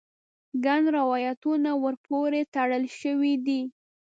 ګڼ روایتونه ور پورې تړل شوي دي.